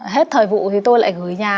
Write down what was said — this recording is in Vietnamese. hết thời vụ thì tôi lại gửi nhà